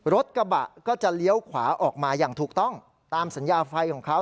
รถกระบะก็จะเลี้ยวขวาออกมาอย่างถูกต้องตามสัญญาไฟของเขา